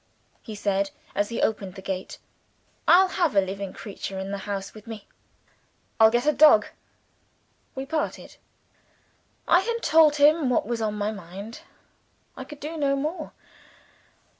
he said, as he opened the gate. "I'll have a living creature in the house with me. I'll get a dog." We parted. I had told him what was on my mind. I could do no more.